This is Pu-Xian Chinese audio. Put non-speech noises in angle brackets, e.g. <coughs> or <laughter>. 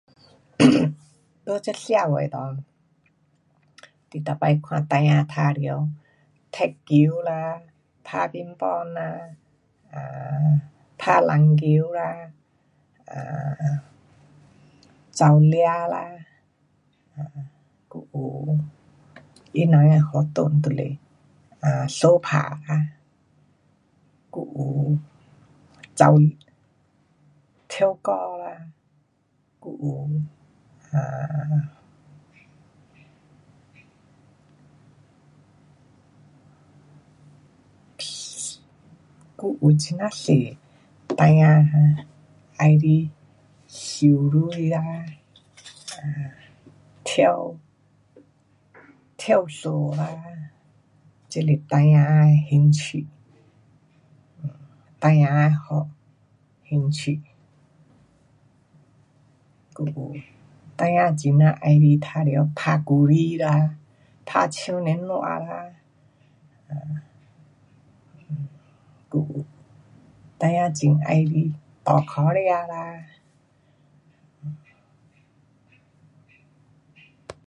<coughs> 在这社会内，你每次看孩儿玩耍，踢球啦，打乒乓呐，啊，打篮球啦，啊，跑蛇啦，[um]还有他人的活动就是相打啦，还有跑，唱歌啦，还有，啊，还有啊[um]还有很呀多孩儿喜欢游泳啊，啊, 跳，跳绳啦，这是孩儿的兴趣，孩儿的ho 兴趣，还有孩儿很呀喜欢玩打guli 啦，打塑胶带啦。还有孩儿很喜欢搭脚车啦